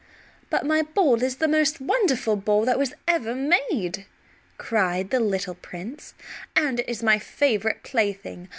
"But my ball is the most wonderful ball that was ever made!" cried the little prince; "and it is my favorite plaything.